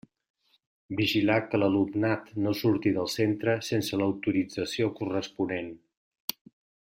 Vigilar que l'alumnat no surti del centre sense l'autorització corresponent.